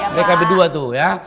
mereka berdua tuh ya